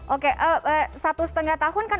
oke satu setengah tahun kan